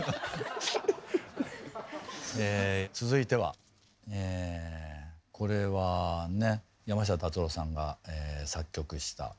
続いてはえこれはね山下達郎さんが作曲した。